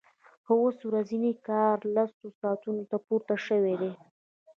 خو اوس ورځنی کار لسو ساعتونو ته پورته شوی دی